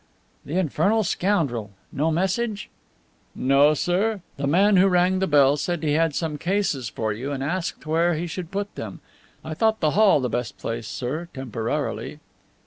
"The infernal scoundrel! No message?" "No, sir. The man who rang the bell said he had some cases for you, and asked where he should put them. I thought the hall the best place, sir, temporarily."